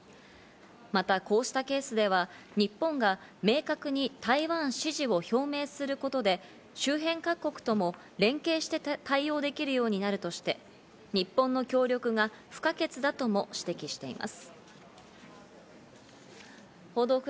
またこうしたケースでは日本が明確に台湾支持を表明することで周辺各国とも連携して対応できるようになるとして、松並さん、よろしくお願いします。